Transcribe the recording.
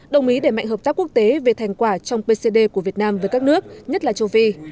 đồng ý đẩy mạnh hợp tác quốc tế về thành quả trong pcd của việt nam với các nước nhất là châu phi